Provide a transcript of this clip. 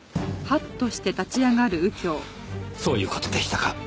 そういう事でしたか。